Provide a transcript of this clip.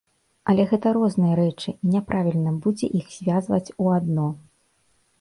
Але гэта розныя рэчы і няправільна будзе іх звязваць у адно.